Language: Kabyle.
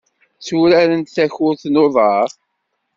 Tturarent takurt n uḍar.